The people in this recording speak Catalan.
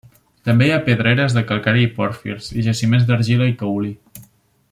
També hi ha pedreres de calcària i pòrfirs, i jaciments d'argila i caolí.